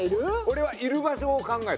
俺はいる場所を考えたのよ。